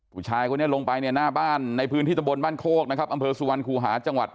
ผู้ชายคนนี้ลงไปเนี่ยหน้าบ้านในพื้นที่ตะบนบ้านโคกนะครับอำเภอสุวรรณคูหาจังหวัด